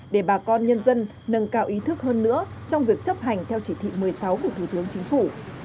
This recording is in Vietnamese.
để bà con nhân dân nâng cao ý thức hơn nữa trong việc chấp hành theo chỉ thị một mươi sáu của thủ tướng chính phủ